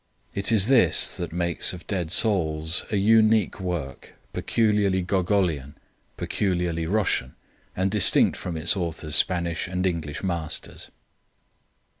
It is this that makes of Dead Souls a unique work, peculiarly Gogolian, peculiarly Russian, and distinct from its author's Spanish and English masters.